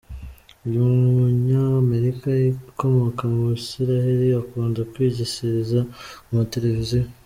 Uyu munya Amerika ukomoka muri Isiraheli, akunda kwigishiriza ku mateleviziyo.